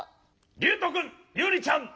りゅうとくんゆうりちゃん！